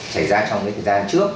chảy ra trong cái thời gian trước